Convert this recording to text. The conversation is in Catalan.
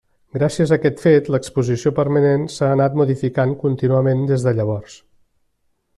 Gràcies a aquest fet l'exposició permanent s'ha anat modificant contínuament des de llavors.